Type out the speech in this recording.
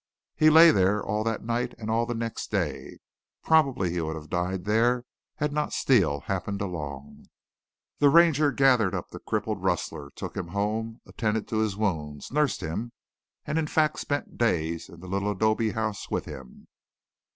He lay there all that night and all the next day. Probably he would have died there had not Steele happened along. The Ranger gathered up the crippled rustler, took him home, attended to his wounds, nursed him, and in fact spent days in the little adobe house with him.